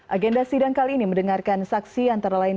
agenda sidang kali ini mendengarkan saksi antara lain